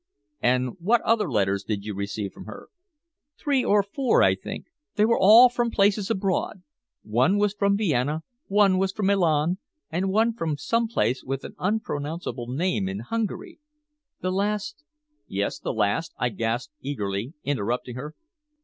"And what other letters did you receive from her?" "Three or four, I think. They were all from places abroad. One was from Vienna, one was from Milan, and one from some place with an unpronounceable name in Hungary. The last " "Yes, the last?" I gasped eagerly, interrupting her.